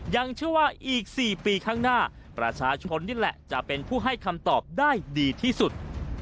ยังเชื่อว่าอีก๔ปีข้างหน้าประชาชนนี่แหละจะเป็นผู้ให้คำตอบได้ดีที่สุด